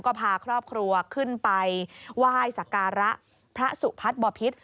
ก็พาครอบครัวขึ้นไปไหว้สักการะพระสุพัฒน์บอพิษ